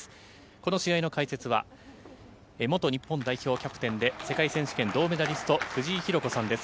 この試合の解説は、元日本代表キャプテンで世界選手権銅メダリスト、藤井寛子さんです。